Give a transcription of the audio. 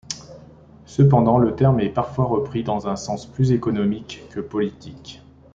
Cependant, le terme est parfois repris, dans un sens plus économique que politique.